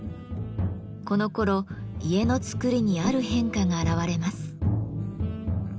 このころ家の造りにある変化があらわれます。